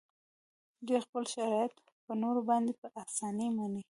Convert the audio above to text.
دوی خپل شرایط په نورو باندې په اسانۍ مني